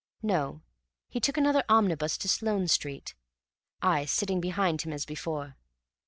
No, he took another omnibus to Sloane Street, I sitting behind him as before.